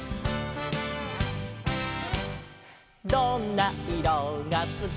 「どんないろがすき」「」